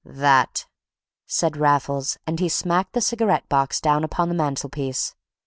"That," said Raffles, and he smacked the cigarette box down upon the mantelpiece.